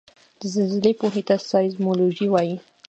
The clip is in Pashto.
د زلزلې پوهې ته سایزمولوجي وايي